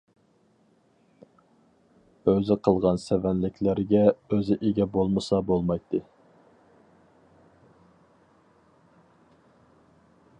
ئۆزى قىلغان سەۋەنلىكلەرگە ئۆزى ئىگە بولمىسا بولمايتتى.